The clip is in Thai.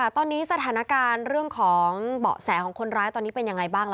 ตอนนี้สถานการณ์เรื่องของเบาะแสของคนร้ายตอนนี้เป็นยังไงบ้างล่ะ